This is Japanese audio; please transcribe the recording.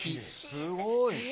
すごい。